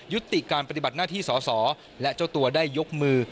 ยุติการปฏิบัติหน้าที่สอสอและเจ้าตัวได้ยกมือ